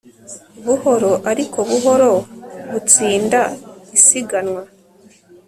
Buhoro ariko buhoro butsinda isiganwa